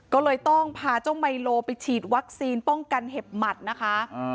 ก็เลยต้องพาเจ้าไมโลไปฉีดวัคซีนป้องกันเห็บหมัดนะคะ